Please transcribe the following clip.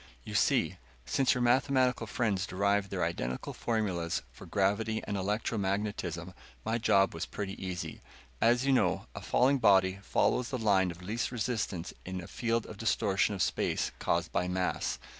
"You see, since your mathematical friends derived their identical formulas for gravity and electromagnetism, my job was pretty easy. As you know, a falling body follows the line of least resistance in a field of distortion of space caused by mass.